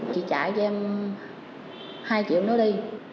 chị chạy cho em hai triệu nó đi